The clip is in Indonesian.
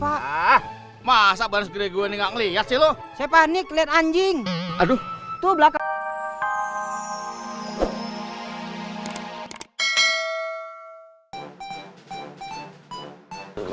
ah masa baru gue enggak ngelihat silo sepanik lihat anjing aduh tuh belakang